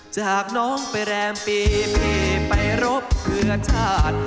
จากน้องไปแรมปีเมย์ไปรบเพื่อชาติ